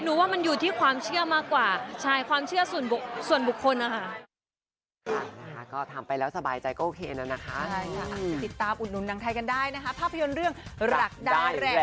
ว่ามันอยู่ที่ความเชื่อมากกว่าใช่ความเชื่อส่วนบุคคลนะคะ